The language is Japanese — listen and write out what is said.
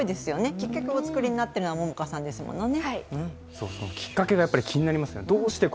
きっかけをお作りになっているのは杏果さんですものね。